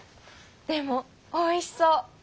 でもおいしそう。